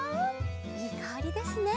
いいかおりですね。